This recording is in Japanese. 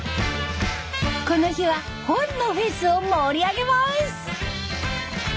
この日は本のフェスを盛り上げます。